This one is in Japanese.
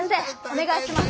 おねがいします。